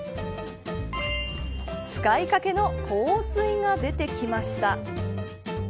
使いかけの香水が出てきました。